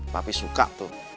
papi suka tuh